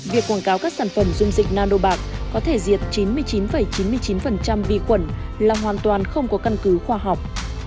việc quảng cáo các sản phẩm dung dịch nano bạc có thể diệt chín mươi chín chín mươi chín vi khuẩn là hoàn toàn không có căn cứ khoa học